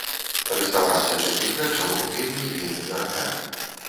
Рэстаўрацыя такіх рэчаў вельмі і вельмі дарагая.